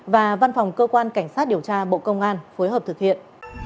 và văn phòng cơ quan cảnh sát điều tra bộ công an phối hợp thực hiện